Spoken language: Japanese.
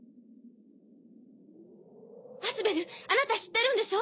アスベルあなた知ってるんでしょ？